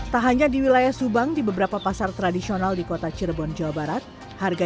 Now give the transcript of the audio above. tak hanya di wilayah subang di beberapa pasar tradisional di kota cirebon jawa barat harga